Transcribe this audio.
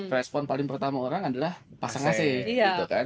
respon paling pertama orang adalah pasang ac gitu kan